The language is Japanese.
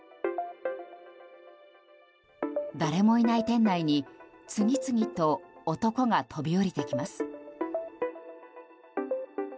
誰もいない店内に次々と男が飛び降りてきます。